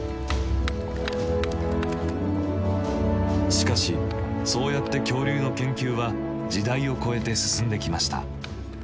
しかしそうやって恐竜の研究は時代を超えて進んできました。